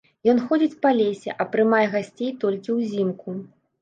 Ён ходзіць па лесе, а прымае гасцей толькі ўзімку.